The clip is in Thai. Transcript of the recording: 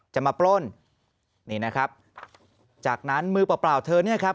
จะมาปล้นนี่นะครับจากนั้นมือเปล่าเปล่าเธอเนี่ยครับ